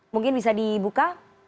mungkin bisa dibuka